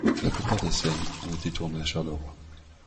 La plupart des scènes ont été tournées à Charleroi.